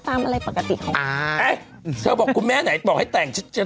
แต่ไม่เชื่อคุณแม่เรื่องนี้